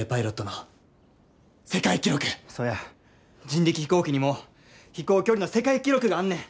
人力飛行機にも飛行距離の世界記録があんねん。